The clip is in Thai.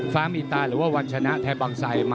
ฟ้ามีตาหรือว่าวันชนะไทยบังไซ